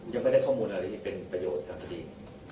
ยังไม่ได้ข้อมูลอะไรที่เป็นประโยชน์กับคดี